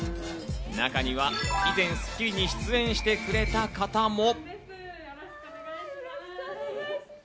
中には以前、『スッキリ』に出演してくれた方も。